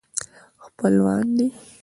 خپلوان دي.